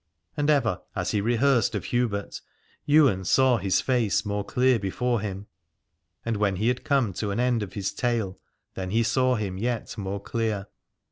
And ever as he rehearsed of Hubert, Ywain saw his face more clear before him : and when he had come to an end of his tale then he saw him yet more clear.